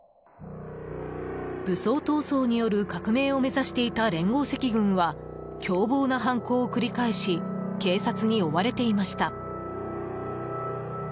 武装闘争による革命を目指していた連合赤軍は凶暴な犯行を繰り返し警察に追われていました。